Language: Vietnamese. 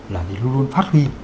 là để luôn luôn phát huy